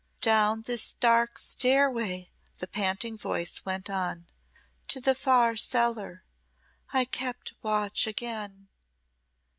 "Down the dark stairway," the panting voice went on, "to the far cellar I kept watch again."